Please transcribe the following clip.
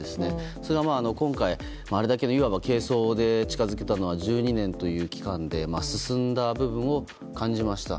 それが今回、あれだけの軽装で近づけたのは１２年という期間で進んだ部分を感じました。